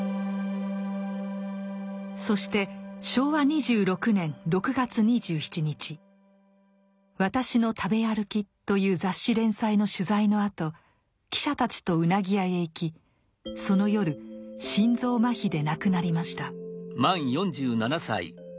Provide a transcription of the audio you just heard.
そして昭和２６年６月２７日「私の食べあるき」という雑誌連載の取材のあと記者たちとうなぎ屋へ行きその夜心臓麻痺で亡くなりました。